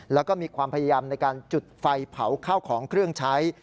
แล้วก็มีความพยายามในการจุดไฟเผาข้าวของเครื่องใช้